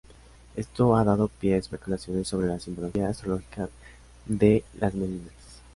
Esto ha dado pie a especulaciones sobre la simbología astrológica de "Las meninas".